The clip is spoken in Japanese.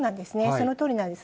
そのとおりなんです。